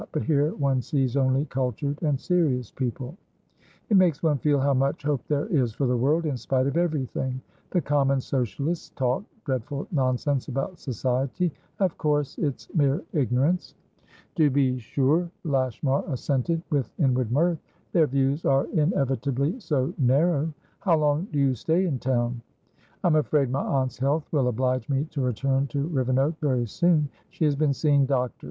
But here one sees only cultured and serious people; it makes one feel how much hope there is for the world, in spite of everything. The common Socialists talk dreadful nonsense about Society; of course it's mere ignorance." "To be sure," Lashmar assented, with inward mirth. "Their views are inevitably so narrow. How long do you stay in town?" "I'm afraid my aunt's health will oblige me to return to Rivenoak very soon. She has been seeing doctors.